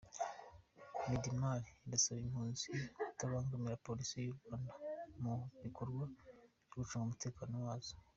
Midimar irasaba impunzi kutabangamira Polisi y’u Rwanda mu bikorwa byo gucunga umutekano wazo.